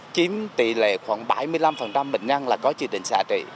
chiếm tỷ lệ khoảng bảy mươi năm bệnh nhân là có chỉ định xả trị